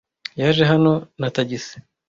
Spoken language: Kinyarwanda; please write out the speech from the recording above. Yaje hano na tagisi.